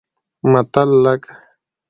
متل لکه